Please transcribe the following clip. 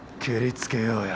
つけようや。